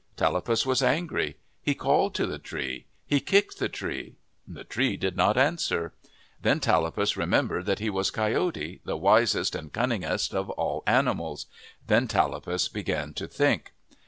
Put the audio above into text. Tallapus was angry. He called to the tree. He kicked the tree. The tree did not answer. Then Tallapus remembered that he was Coyote, the wisest and cunningest of all animals. Then Tallapus began to think.